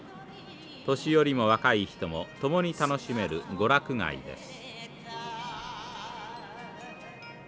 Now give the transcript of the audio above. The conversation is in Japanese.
年寄りも若い人もともに楽しめる娯楽街です。